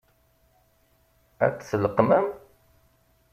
Ad t-tleqqmem?